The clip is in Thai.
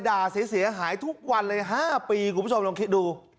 ด่าเสียหายทุกวันเลย๕ปีคุณผู้ชมลองคิดดู